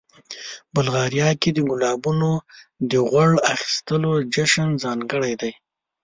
بلغاریا کې د ګلابونو د غوړ اخیستلو جشن ځانګړی دی.